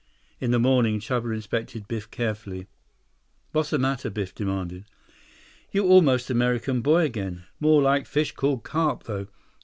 In the morning, Chuba inspected Biff carefully. "What's the matter?" Biff demanded. "You almost America boy again. More like fish called carp, though.